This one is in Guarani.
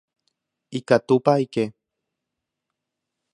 Ikatúpa aike.